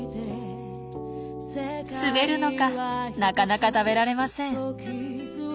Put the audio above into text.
滑るのかなかなか食べられません。